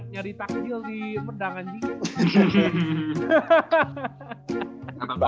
nyari taktil di perdangan jika